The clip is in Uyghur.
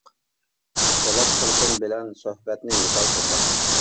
پولات تۇرسۇن بىلەن سۆھبەتنى مىسال قىلساق.